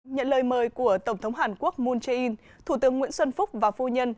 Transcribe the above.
nhận lời mời của tổng thống hàn quốc moon jae in thủ tướng nguyễn xuân phúc và phu nhân